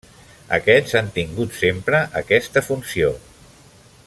Aquests han tingut sempre aquesta funció.